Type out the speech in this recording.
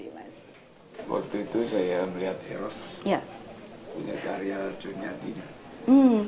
waktu itu saya melihat eros